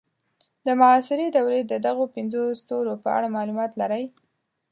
د معاصرې دورې د دغو پنځو ستورو په اړه معلومات لرئ.